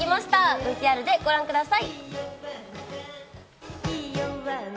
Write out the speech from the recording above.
ＶＴＲでご覧ください。